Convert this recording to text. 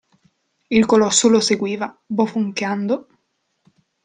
Il colosso lo seguiva, bofonchiando.